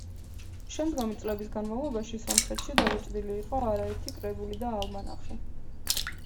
შემდგომი წლების განმავლობაში სომხეთში დაბეჭდილი იყო არაერთი კრებული და ალმანახი.